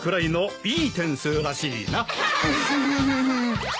ウフフフ。